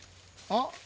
あっ。